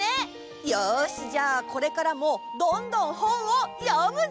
よしじゃあこれからもどんどん本を読むぞ！